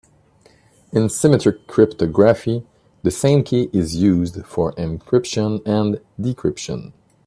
In symmetric cryptography the same key is used for encryption and decryption.